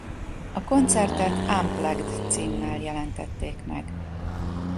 A koncertet Unplugged címmel jelentették meg.